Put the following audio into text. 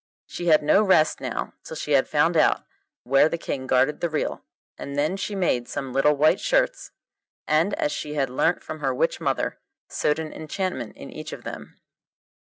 She had no rest now till she had found out where the King guarded the reel, and then she made some little white shirts, and, as she had learnt from her witch mother, sewed an enchantment in each of them.